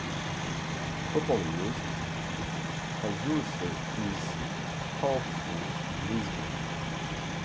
Properly used, casuistry is powerful reasoning.